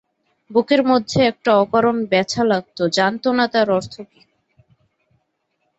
বুকের মধ্যে একটা অকারণ ব্যথা লাগত, জানত না তার অর্থ কী।